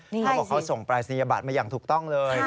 เขาบอกเขาส่งปรายศนียบัตรมาอย่างถูกต้องเลย